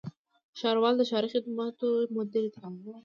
ښاروال د ښاري خدماتو مدیر دی